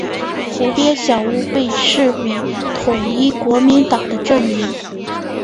湖边小屋被视为统一国民党的阵营。